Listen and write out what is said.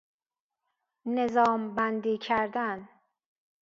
نظام بندی کردن